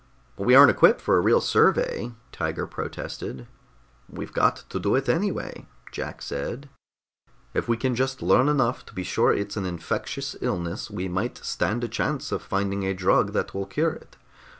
"But we aren't equipped for a real survey," Tiger protested. "We've got to do it anyway," Jack said. "If we can just learn enough to be sure it's an infectious illness, we might stand a chance of finding a drug that will cure it.